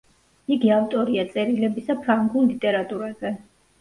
იგი ავტორია წერილებისა ფრანგულ ლიტერატურაზე.